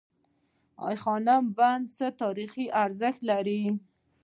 ای خانم بندر څه تاریخي ارزښت لري؟